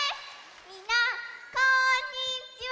みんなこんにちは！